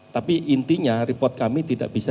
tapi intinya report kami tidak bisa